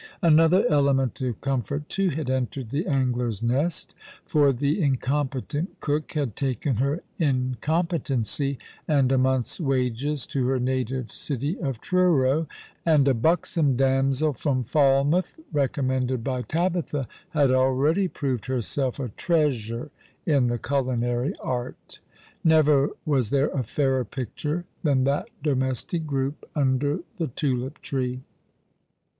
Another element of comfort, too, had entered the Angler's Nest ; for the incompetent cook had taken her incompetency and a month's wages to her native city of Truro ; and a buxom damsel from Falmouth, recommended by Tabitlua, had already proved herself a treasure in the culinary art. : Never was there a fairer picture than that domestic group under the tulip tree.